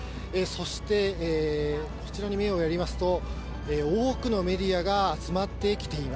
そしてこちらに目をやりますと、多くのメディアが集まってきてい